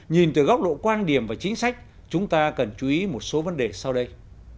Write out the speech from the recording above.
nhìn từ góc độ quan điểm và chính sách chúng ta cần chú ý một số vấn đề sau đây